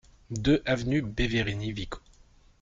deux avenue Beverini Vico